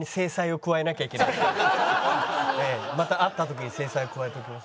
また会った時に制裁を加えておきます。